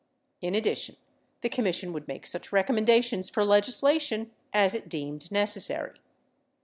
In addition, the Commission would make such recommenda tions for legislation as it deemed necessary.